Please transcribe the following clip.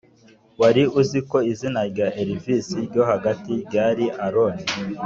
wari uziko izina rya elvis ryo hagati ryari aron